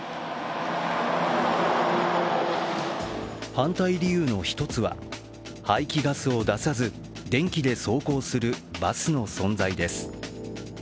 反対理由の１つは、排気ガスを出さず電気で走行するバスの存在です。